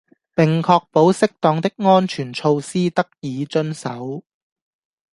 並確保適當的安全措施得以遵守